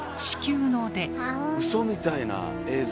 うそみたいな映像。